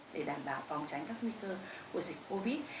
để đảm bảo phòng tránh các nguy cơ của dịch covid